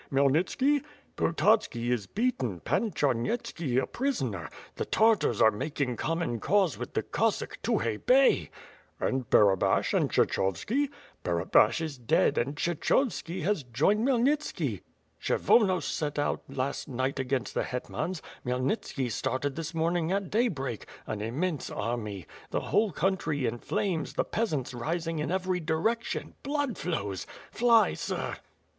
Kheymlnitski?" "Pototski is beaten; Pan Charnyetski a prisoner; the Tar tars are making common cause with the Cossack, Tukhay Bey!" "And Barabash and Kshechovski?" "Barabash is dead and Kshechovski has joined Khmyel nitski. Kshevonos set out last night against the hetmans; Khmyelnitski started ihis morning at daybreak. An im mense army. The whole country in flames, the peasants ris ing in every direction, blood flows! Fly, sir!"